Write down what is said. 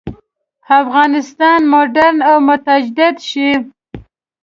افغانستان مډرن او متجدد شي.